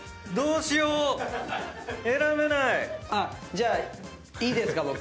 じゃあいいですか僕。